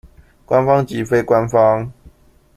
官方及非官方